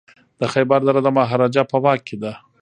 د خیبر دره د مهاراجا په واک کي ده.